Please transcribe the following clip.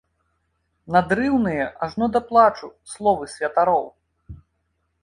Надрыўныя ажно да плачу словы святароў.